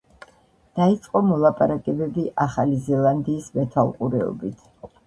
დაიწყო მოლაპარაკებები ახალი ზელანდიის მეთვალყურეობით.